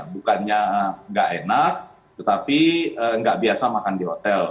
bukannya nggak enak tetapi nggak biasa makan di hotel